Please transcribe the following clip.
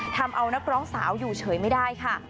ทำเอานักร้องสาวอยู่เฉยไม่ได้ค่ะ